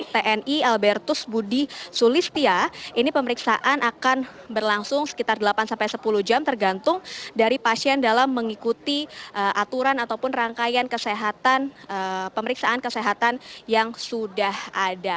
pemeriksaan ini akan berlangsung sekitar delapan sepuluh jam tergantung dari pasien dalam mengikuti aturan ataupun rangkaian kesehatan yang sudah ada